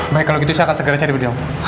baik kalau gitu saya akan segera cari wina